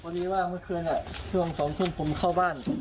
ดีว่าเมื่อคืนช่วง๒ทุ่มผมเข้าบ้าน